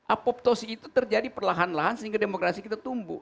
apoptosi itu terjadi perlahan lahan sehingga demokrasi kita tumbuh